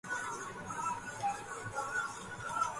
Simmons was the founder of the Ocean Energy Institute in Maine.